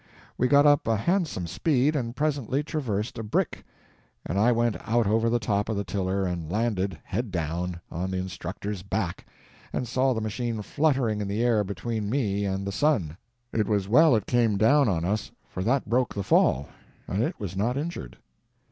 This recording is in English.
We got up a handsome speed, and presently traversed a brick, and I went out over the top of the tiller and landed, head down, on the instructor's back, and saw the machine fluttering in the air between me and the sun. It was well it came down on us, for that broke the fall, and it was not injured.